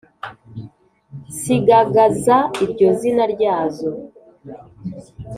Sigagaza iryo zina ryazo